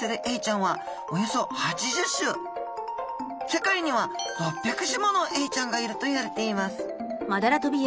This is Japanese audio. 世界には６００種ものエイちゃんがいるといわれています